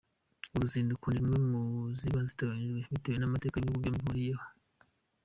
Uru ruzinduko ni rumwe mu ziba zitegerejwe, bitewe n’amateka ibihugu byombi bihuriyeho.